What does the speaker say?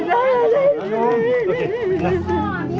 สวัสดีทุกคน